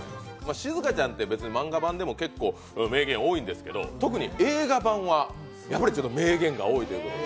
しずかちゃんって別に漫画版でも名言が多いんですけど特に映画版は、やっぱり名言が多いということで。